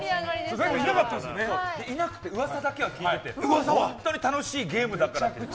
私はいなくて、噂だけは聞いてて本当に楽しいゲームだからって。